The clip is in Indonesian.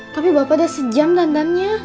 tapi bapak udah sejam tandannya